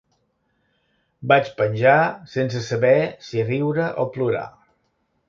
Vaig penjar sense saber si riure o plorar.